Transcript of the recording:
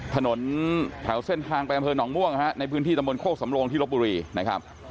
ถนนแถวเส้นทางแปลงเผลอหนองม่วงในพื้นที่ตำบลโครกสำโรงที่รบบุรี